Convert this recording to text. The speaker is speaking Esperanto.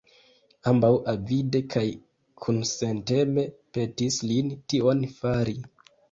Ambaŭ avide kaj kunsenteme petis lin tion fari.